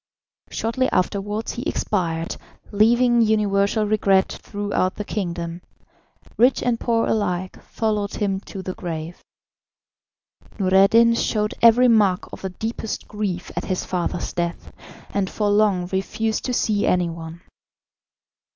Shortly afterwards he expired, leaving universal regret throughout the kingdom; rich and poor alike followed him to the grave. Noureddin showed every mark of the deepest grief at his father's death, and for long refused to see any one.